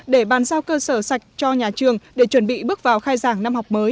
để bàn giao cơ sở sạch cho nhà trường để chuẩn bị bước vào khai giảng năm học mới